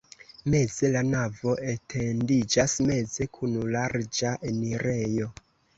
Meze la navo etendiĝas meze kun larĝa enirejo.